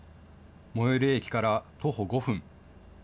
最寄り駅から徒歩５分。